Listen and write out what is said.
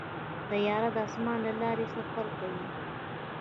طیاره د اسمان له لارې سفر کوي.